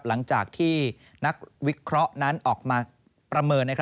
หลังจากที่นักวิเคราะห์นั้นออกมาประเมิน